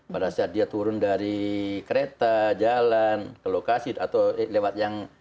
pada saat dia turun dari kereta jalan ke lokasi atau lewat yang